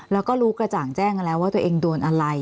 แล้วก็รู้กระจ่างแจ้งกันแล้วว่าตัวเองโดนอะไร